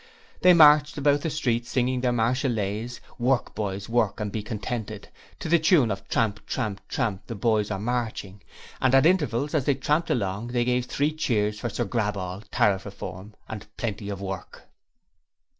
They marched about the streets singing their Marseillaise, 'Work, Boys, Work and be contented', to the tune of 'Tramp, tramp, tramp the Boys are marching', and at intervals as they tramped along, they gave three cheers for Sir Graball, Tariff Reform, and Plenty of Work.